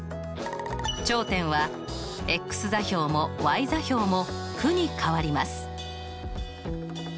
頂点は座標も座標も負に変わります